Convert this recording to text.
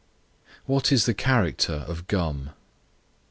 What is the character of Gum?